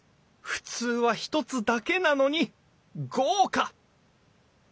普通は１つだけなのに豪華！